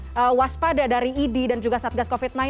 apakah anda waspada dari idi dan satgas covid sembilan belas